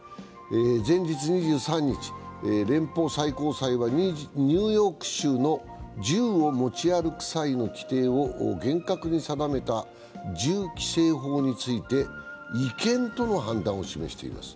前日２３日、連邦最高裁は、ニューヨーク州の銃を持ち歩く際の規定を厳格に定めた銃規制法について違憲との判断を示しています。